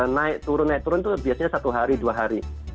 naik turun naik turun itu biasanya satu hari dua hari